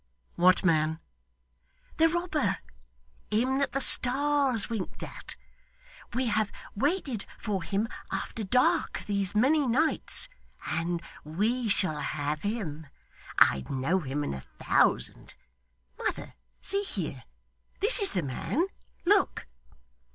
'What man?' 'The robber; him that the stars winked at. We have waited for him after dark these many nights, and we shall have him. I'd know him in a thousand. Mother, see here! This is the man. Look!